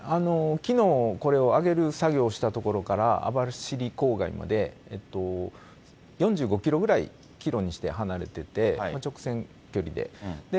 きのう、これを揚げる作業をした所から網走こうがいまで４５キロぐらい、キロにして離れてて、直線距離で。